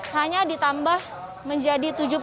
hanya ditambah menjadi